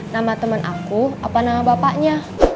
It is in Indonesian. nama teman aku apa nama bapaknya